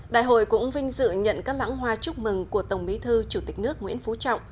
đại hội cũng vinh dự nhận các lãng hoa chúc mừng của tổng bí thư chủ tịch nước nguyễn phú trọng